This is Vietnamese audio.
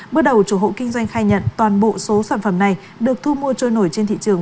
bước đầu chủ hộ kinh doanh khai nhận toàn bộ số sản phẩm này được thu mua trôi nổi trên thị trường